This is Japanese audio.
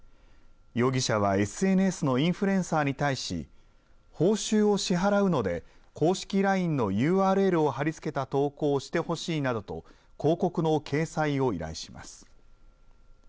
容疑者はＳＮＳのインフルエンサーに対し報酬を支払うので公式ＬＩＮＥのＵＲＬを貼り付けた投稿をしてほしいなどと広告の掲載を依頼します。